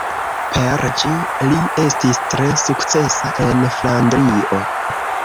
Per ĝi li estis tre sukcesa en Flandrio.